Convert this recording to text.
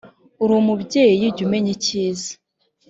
uri umubyeyi, jya umenya icyiza